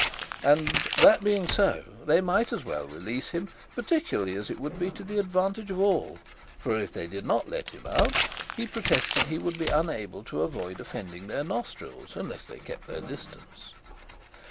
And that being so, they might as well release him, particularly as it would be to the advantage of all; for, if they did not let him out, he protested he would be unable to avoid offending their nostrils unless they kept their distance.